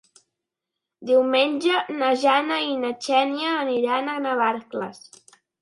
Diumenge na Jana i na Xènia aniran a Navarcles.